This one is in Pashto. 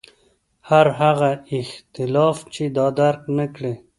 هر هغه اختلاف چې دا درک نکړي.